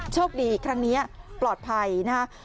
โชคดีครั้งนี้ปลอดภัยนะครับ